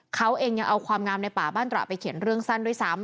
เขาเองยังเอาความงามในป่าบ้านตระไปเขียนเรื่องสั้นด้วยซ้ำ